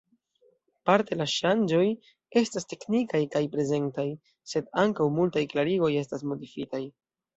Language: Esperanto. Parte la ŝanĝoj estas teknikaj kaj prezentaj, sed ankaŭ multaj klarigoj estas modifitaj.